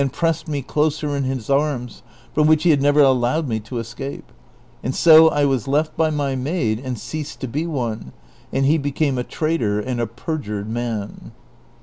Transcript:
pressed me closer in his arms, from wliicli he liad never allowed me to escape ; and so I was left by my maid, and ceased to be one, and he became a traitor and a j^erjured man.